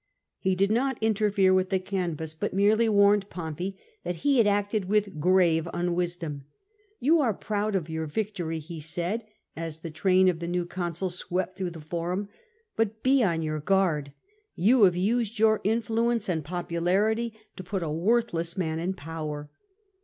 Pie did not interfere with the canvass, but merely w^arned Pompey that he had acted with grave unwisdom. ^'Tou are proud of your victory," he said, as the train of the new consul swept through the Porum, " but be on your guard. You have used your influence and popularity to put a worth less man in power.